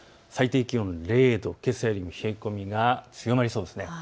最低気温０度、けさよりも冷え込みが強まりそうです。